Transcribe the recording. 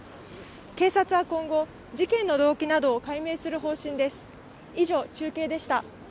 警察は今後、事件の動機などを解明する方針です。